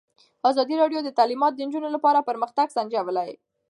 ازادي راډیو د تعلیمات د نجونو لپاره پرمختګ سنجولی.